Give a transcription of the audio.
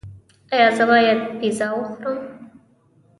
ایا زه باید پیزا وخورم؟